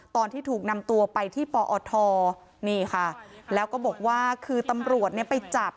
ตอนที่ถูกนำตัวไปที่ปอทนี่ค่ะแล้วก็บอกว่าคือตำรวจเนี่ยไปจับ